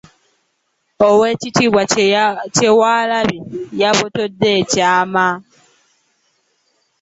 Oweekitiibwa Kyewalabye yabotodde ekyama